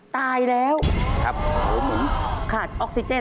ตายแล้วครับโอเค